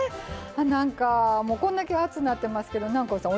こんだけ暑なってますけど南光さん